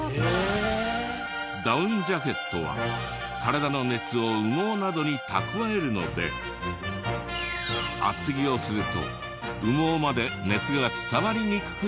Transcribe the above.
ダウンジャケットは体の熱を羽毛などに蓄えるので厚着をすると羽毛まで熱が伝わりにくくなるそうだ。